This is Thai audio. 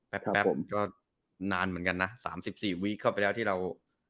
แป๊บก็นานเหมือนกันนะ๓๔วีคเข้าไปแล้วที่เรา